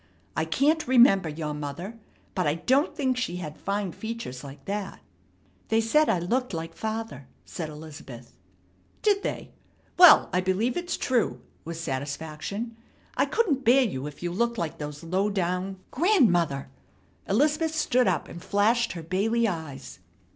"I can't remember your mother, but I don't think she had fine features like that." "They said I looked like father," said Elizabeth. "Did they? Well, I believe it's true," with satisfaction. "I couldn't bear you if you looked like those lowdown " "Grandmother!" Elizabeth stood up, and flashed her Bailey eyes.